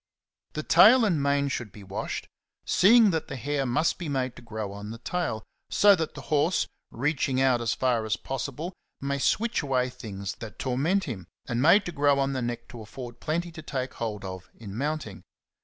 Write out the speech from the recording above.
The tail and mane should be washed, seeing that the hair must be made to grow on the tail, so that the horse, reaching out as far as possible, may switch away things that tor ment him, and made to grow on the neck to afford plenty to take hold of in mounting.